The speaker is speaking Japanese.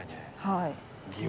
はい。